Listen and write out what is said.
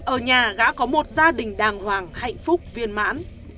ở nhà đã có một gia đình đàng hoàng hạnh phúc viên mãn